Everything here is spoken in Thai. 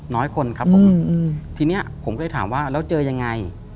น้อยคนครับผมทีนี้ผมก็เลยถามว่าแล้วเจอยังไง